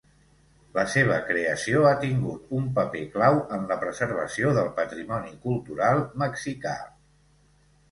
La seva creació ha tingut un paper clau en la preservació del patrimoni cultural mexicà.